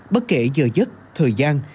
bất kể giờ giấc thời gian